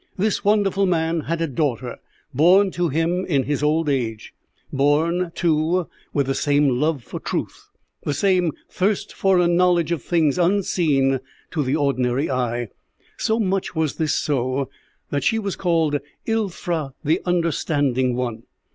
"This wonderful man had a daughter born to him in his old age, born, too, with the same love for truth, the same thirst for a knowledge of things unseen to the ordinary eye. So much was this so, that she was called 'Ilfra the Understanding One.'